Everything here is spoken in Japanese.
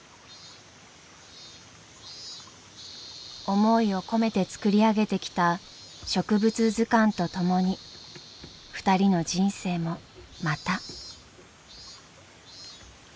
思いを込めて作り上げてきた植物図鑑と共に２人の人生もまた。